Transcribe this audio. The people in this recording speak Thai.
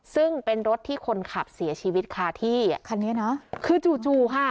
ซึ่งเป็นรถที่คนขับเสียชีวิตค่ะที่คันนี้เนอะคือจู่จู่ค่ะ